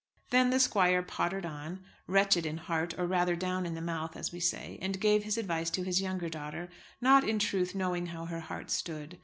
Then the squire pottered on, wretched in heart; or, rather, down in the mouth, as we say, and gave his advice to his younger daughter, not, in truth, knowing how her heart stood.